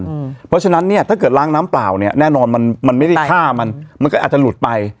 เพราะฉะนั้นเนี่ยถ้าเกิดล้างน้ำเปล่าเนี่ยแน่นอนมันมันไม่ได้ฆ่ามันมันก็อาจจะหลุดไป